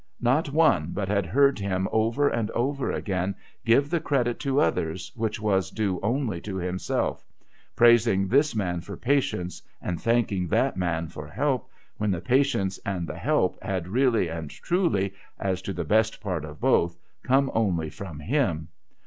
Not one l)ut had heard him, over and over again, give the credit to others which was due only to himself; praising this man for patience, and thanking that man for help, wlien the patience and the help had really and truly, as to the best part of both, come only from him.